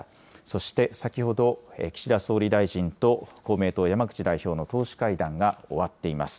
そして、先ほど岸田総理大臣と公明党、山口代表の党首会談が終わっています。